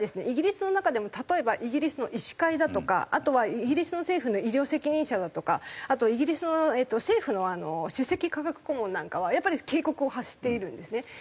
イギリスの中でも例えばイギリスの医師会だとかあとはイギリスの政府の医療責任者だとかあとはイギリスの政府の主席科学顧問なんかはやっぱり警告を発しているんですね。